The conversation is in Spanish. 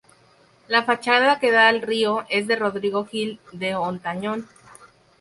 La fachada que da al río es de Rodrigo Gil de Hontañón.